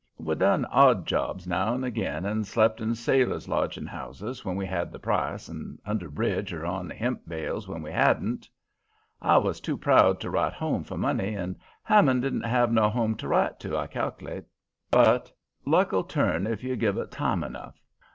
We done odd jobs now 'n' again, and slept in sailors' lodging houses when we had the price, and under bridges or on hemp bales when we hadn't. I was too proud to write home for money, and Hammond didn't have no home to write to, I cal'late. "But luck 'll turn if you give it time enough.